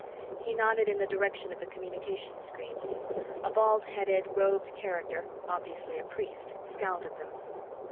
He nodded in the direction of the communications screen. A bald headed, robed character—obviously a priest—scowled at them.